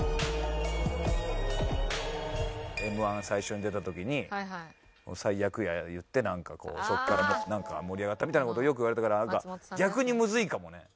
Ｍ−１最初に出た時に「最悪や！」言ってそこから盛り上がったみたいな事よく言われたから逆にむずいかもね。